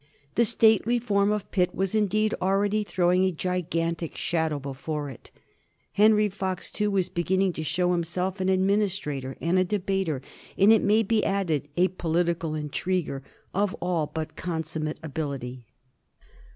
The stately form of Pitt was, indeed, already throwing a gigantic shadow before it Henry Fox, too, was beginning to show himself an ad ministrator and a debater, and, it may be added, a politi cal intriguer, of all but consummate ability.